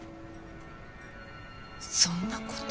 そんなこと。